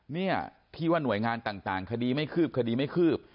เนี่ยที่ว่าหน่วยงานต่างคดีไม่คืบคดีไม่คืบ